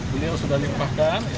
beliau sudah lipahkan